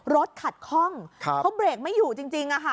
รถขัดคล่องเพราะเบรกไม่อยู่จริงอ่ะค่ะ